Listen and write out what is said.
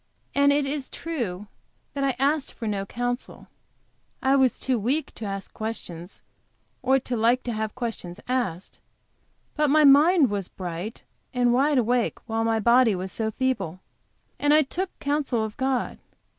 And it is true that I asked for no counsel. I was too weak to ask questions or to like to have questions asked; but my mind was bright and wide awake while my body was so feeble, and I took counsel of God.